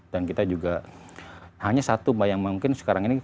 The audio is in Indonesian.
dan kita juga hanya satu mbak yang mungkin sekarang ini